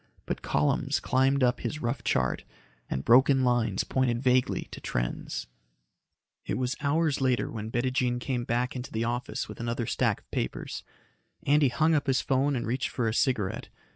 But columns climbed up his rough chart and broken lines pointed vaguely to trends. It was hours later when Bettijean came back into the office with another stack of papers. Andy hung up his phone and reached for a cigarette.